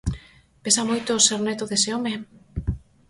Pesa moito ser neto dese home?